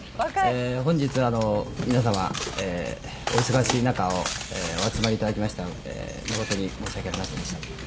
「本日はあの皆様お忙しい中お集まりいただきまして誠に申し訳ありませんでした」